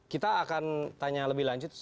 kita akan tanya lebih lanjut